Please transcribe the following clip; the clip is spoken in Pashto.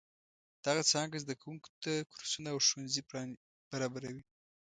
دغه څانګه زده کوونکو ته کورسونه او ښوونځي برابروي.